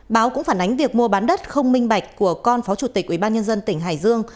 báo cũng phản ánh việc mua bán đất không minh bạch của con phó chủ tịch ubnd tỉnh hải dương